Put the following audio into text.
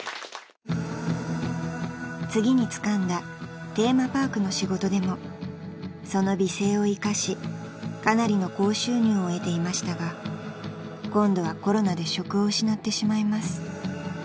［次につかんだテーマパークの仕事でもその美声を生かしかなりの高収入を得ていましたが今度はコロナで職を失ってしまいます］